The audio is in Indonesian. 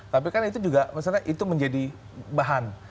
tapi kan itu juga maksudnya itu menjadi bahan